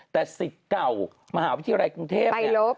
แต่สิทธิ์เก่ามหาวิทยาลัยกรุงเทพเนี่ย